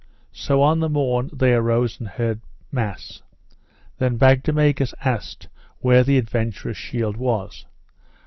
So on the morn they arose and heard mass. Then Bagdemagus asked where the adventurous shield was.